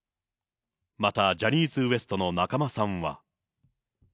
また、ジャニーズＷＥＳＴの中間さんは。